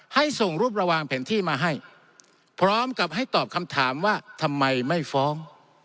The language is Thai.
ให้ส่งรูประวางแผนที่มาให้พร้อมกับให้ตอบคำถามว่าทำไมไม่ฟ้อง